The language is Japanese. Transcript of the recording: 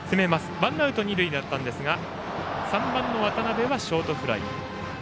ワンアウト二塁だったんですが３番の渡邉はショートフライ。